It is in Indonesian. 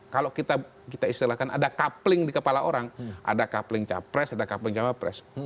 kalau kita istilahkan ada coupling di kepala orang ada coupling capres ada coupling cawapres